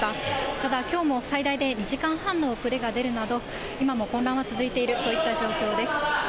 ただ、きょうも最大で２時間半の遅れが出るなど、今も混乱は続いている、そういった状況です。